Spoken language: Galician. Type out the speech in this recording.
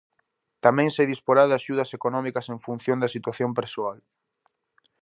Tamén se disporá de axudas económicas en función da situación persoal.